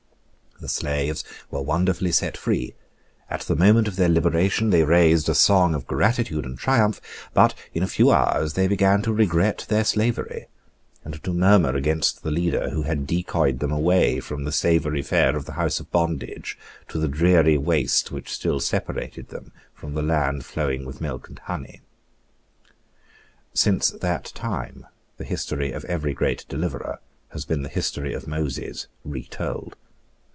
The slaves were wonderfully set free: at the moment of their liberation they raised a song of gratitude and triumph: but, in a few hours, they began to regret their slavery, and to murmur against the leader who had decoyed them away from the savoury fare of the house of bondage to the dreary waste which still separated them from the land flowing with milk and honey. Since that time the history of every great deliverer has been the history of Moses retold.